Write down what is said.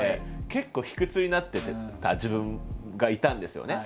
結構卑屈になってた自分がいたんですよね。